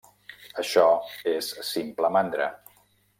Això és simple mandra.